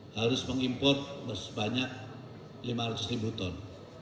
harus mengimport sebanyak rp lima ratus ton